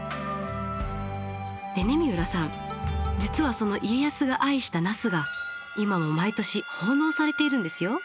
でね三浦さん実はその家康が愛したナスが今も毎年奉納されているんですよ。